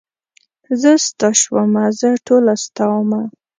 زه ستا شومه زه ټوله ستا ومه.